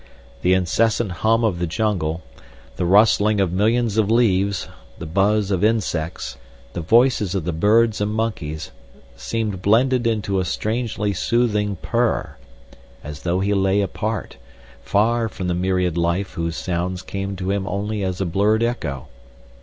The incessant hum of the jungle—the rustling of millions of leaves—the buzz of insects—the voices of the birds and monkeys seemed blended into a strangely soothing purr, as though he lay apart, far from the myriad life whose sounds came to him only as a blurred echo.